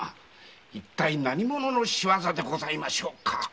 一体何者でございましょうか。